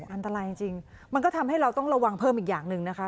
อันตรายจริงมันก็ทำให้เราต้องระวังเพิ่มอีกอย่างหนึ่งนะคะ